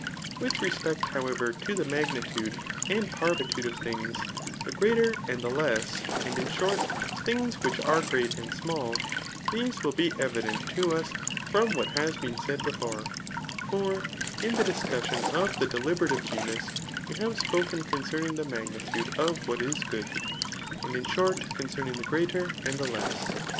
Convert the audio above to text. T^th respect, however, to the magnitude and panri tude of things, the greater and the less, and in short things which are great and small, these will be evident to us from what has been before said ; for in the discus sion of the deliberative genus we have spoken concerning the magnitude of what is good, and in short, concerning the greater and the less.